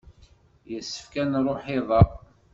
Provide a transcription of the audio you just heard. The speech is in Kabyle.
Yessefk ad nruḥ iḍ-a.